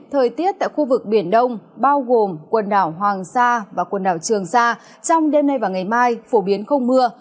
thời tiết tại khu vực biển đông bao gồm quần đảo hoàng sa và quần đảo trường sa trong đêm nay và ngày mai phổ biến không mưa